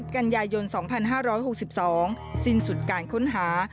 กันยายน๒๕๖๒สิ้นสุดการค้นหา